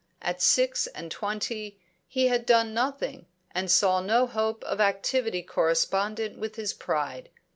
At six and twenty he had done nothing, and saw no hope of activity correspondent with his pride.